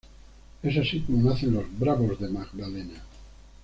Es así como nacen los "Bravos de Magdalena".